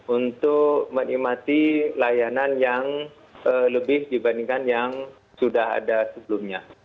untuk menikmati layanan yang lebih dibandingkan yang sudah ada sebelumnya